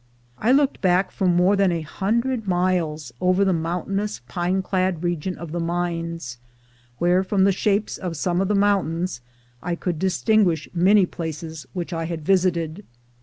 I looked back for more than a hundred miles over the mountainous pine clad region of the "Mines," where, from the shapes of some of the mountains, I could distinguish many places which I had visited.